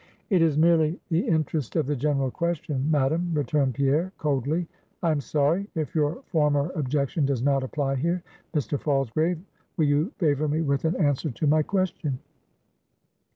"It is merely the interest of the general question, Madam," returned Pierre, coldly. "I am sorry. If your former objection does not apply here, Mr. Falsgrave, will you favor me with an answer to my question?"